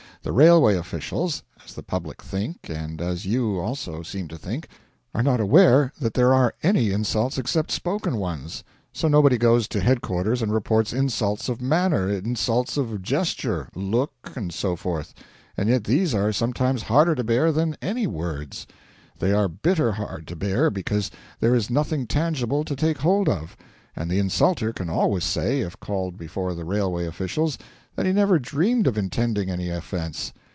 The railway officials as the public think and as you also seem to think are not aware that there are any insults except spoken ones. So nobody goes to headquarters and reports insults of manner, insults of gesture, look, and so forth; and yet these are sometimes harder to bear than any words. They are bitter hard to bear because there is nothing tangible to take hold of; and the insulter can always say, if called before the railway officials, that he never dreamed of intending any offence.